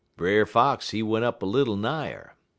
"Brer Fox, he went up little nigher.